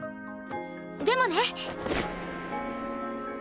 でもね。